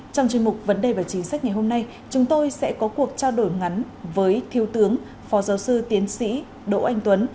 trong chuyên mục vấn đề và chính sách ngày hôm nay chúng tôi sẽ có cuộc trao đổi ngắn với thiếu tướng phó giáo sư tiến sĩ đỗ anh tuấn